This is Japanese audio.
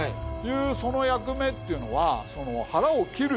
その役目っていうのは腹を切る。